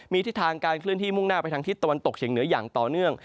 มีทิศทางการเคลื่อนที่มุ่งหน้าไปทางทิศตะวันตกเฉียงเหนืออย่างต่อเนื่อง